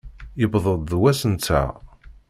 Yewweḍ-d wass-nteɣ!